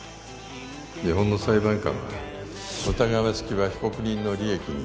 日本の裁判官は疑わしきは被告人の利益に